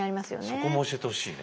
そこも教えてほしいね。